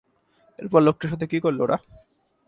এরপর লোকটার সাথে কী করল ওরা?